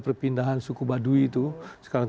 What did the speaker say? perpindahan suku baduy itu sekarang